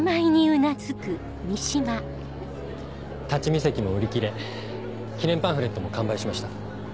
立ち見席も売り切れ記念パンフレットも完売しました。